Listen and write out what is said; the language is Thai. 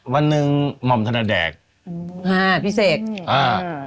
วันนึงหม่อมถนัดแดกอืมอ่าพี่เศษหืมอ่า